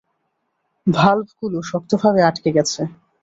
ভালভগুলো শক্তভাবে আটকে গেছে।